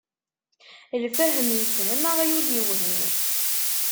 Lfahem ifhem aɣyul iwhem.